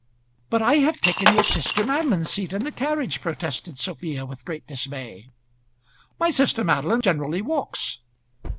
"But I have taken your sister Madeline's seat in the carriage," protested Sophia with great dismay. "My sister Madeline generally walks."